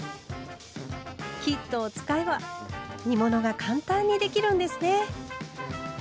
キットを使えば煮物が簡単にできるんですね！